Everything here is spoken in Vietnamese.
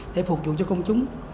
để phục vụ cho công chúng